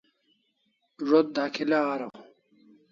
Zo't dakhi'la araw